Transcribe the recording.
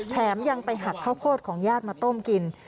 แถมยังไปหักข้าวโพดของญาติมาต้มกิน